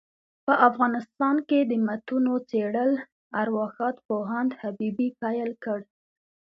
په افغانستان کي دمتونو څېړل ارواښاد پوهاند حبیبي پيل کړ.